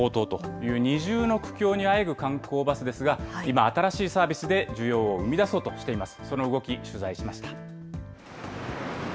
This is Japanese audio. コロナ禍と、そして燃料価格の高騰と、二重の苦境にあえぐ観光バスですが、今、新しいサービスで需要を生み出そうとしています。